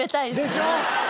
でしょ？